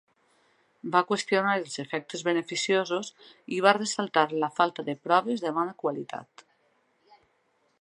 Va qüestionar els efectes beneficiosos i va ressaltar la falta de proves de bona qualitat.